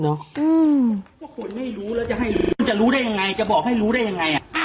เพราะคนไม่รู้แล้วจะให้รู้มันจะรู้ได้ยังไงจะบอกให้รู้ได้ยังไงอ่ะ